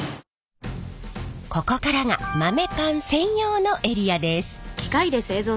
ここからが豆パン専用のエリアです。